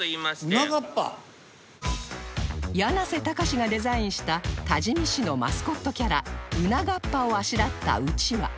やなせたかしがデザインした多治見市のマスコットキャラうながっぱをあしらったうちわ